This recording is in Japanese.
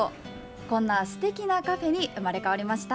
こんなすてきなカフェに生まれ変わりました！